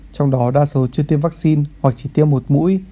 trong đó đa số chưa tiêm vaccine hoặc chỉ tiêm một mũi